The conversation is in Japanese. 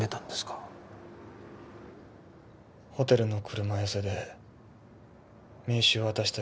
ホテルの車寄せで名刺を渡した